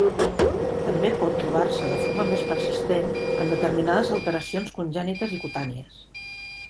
També pot trobar-se de forma més persistent en determinades alteracions congènites i cutànies.